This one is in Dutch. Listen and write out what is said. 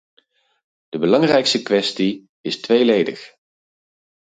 De belangrijkste kwestie is tweeledig.